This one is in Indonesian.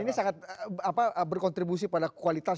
dan ini sangat berkontribusi pada kualitas